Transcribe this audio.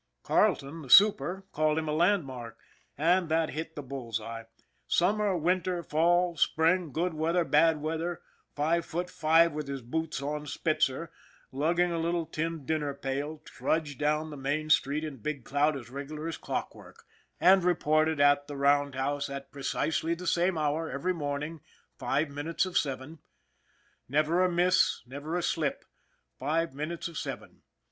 Carleton, the super, called him a landmark, and that hit the bull's eye. Summer, winter, fall, spring, good weather, bad weather, five foot five with his boots on Spitzer, lugging a little tin dinner pail, trudged down Main Street in Big Cloud as regular as clockwork, and reported at the roundhouse at precisely the same hour every morning five minutes of seven. Never a miss, never a slip five minutes of seven.